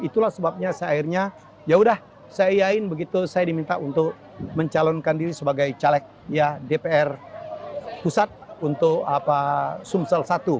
itulah sebabnya saya akhirnya yaudah saya begitu saya diminta untuk mencalonkan diri sebagai caleg ya dpr pusat untuk sumsel satu